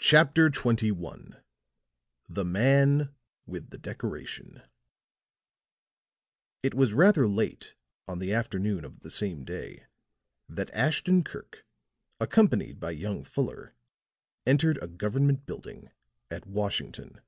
CHAPTER XXI THE MAN WITH THE DECORATION It was rather late on the afternoon of the same day that Ashton Kirk, accompanied by young Fuller, entered a government building at Washington.